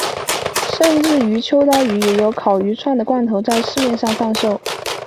甚至于秋刀鱼也有烤鱼串的罐头在市面上贩售。